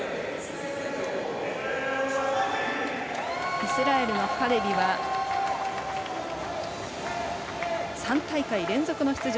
イスラエルのハレビは３大会連続の出場。